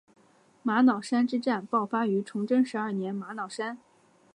玛瑙山之战爆发于崇祯十二年玛瑙山。